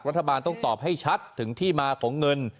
รัฐบาลต้องตอบให้ชัดถึงที่มาของเงิน